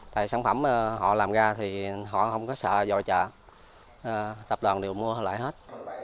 tại sản phẩm họ làm ra thì họ không có sợ dòi trợ tập đoàn đều mua lại hết